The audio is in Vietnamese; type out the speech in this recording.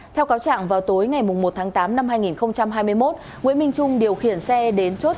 theo cáo trạng vào tối ngày một tháng tám năm hai nghìn hai mươi một nguyễn minh trung điều khiển xe đến chốt